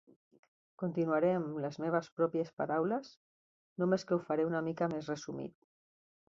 Continuaré amb les seves pròpies paraules, només que ho faré una mica més resumit.